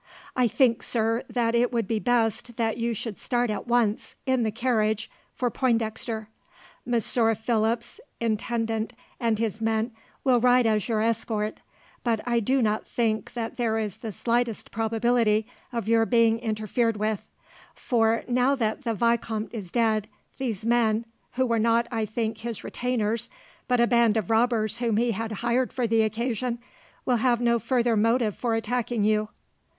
"I think, sir, that it would be best that you should start at once, in the carriage, for Pointdexter. Monsieur Philip's intendant and his men will ride as your escort, but I do not think that there is the slightest probability of your being interfered with; for now that the vicomte is dead, these men who were not, I think, his retainers, but a band of robbers whom he had hired for the occasion will have no further motive for attacking you.